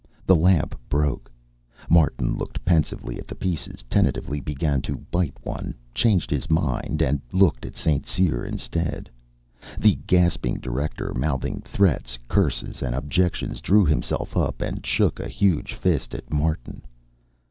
The lamp broke. Martin looked pensively at the pieces, tentatively began to bite one, changed his mind, and looked at St. Cyr instead. The gasping director, mouthing threats, curses and objections, drew himself up, and shook a huge fist at Martin.